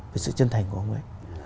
về sự chân thành của ông ấy